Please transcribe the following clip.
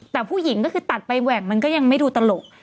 แต่ผู้หญิงก็คือตัดไปแหว่งมันก็ยังไม่ดูตลก